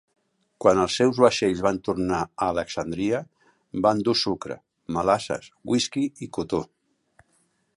Quan els seus vaixells van tornar a Alexandria, van dur sucre, melasses, whisky i cotó.